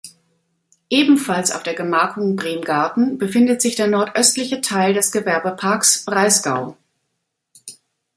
Ebenfalls auf der Gemarkung Bremgarten befindet sich der nordöstliche Teil des Gewerbeparks Breisgau.